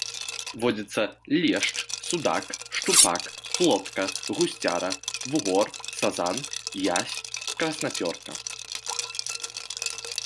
Водзяцца лешч, судак, шчупак, плотка, гусцяра, вугор, сазан, язь, краснапёрка.